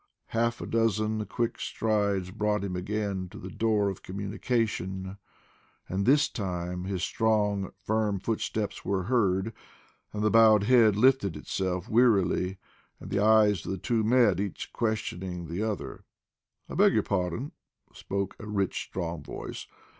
Half a dozen quick strides brought him again to the door of communication, and this time his strong, firm footsteps were heard, and the bowed head lifted itself wearily, and the eyes of the two met, each questioning the other. "I beg your pardon," spoke a rich, strong voice.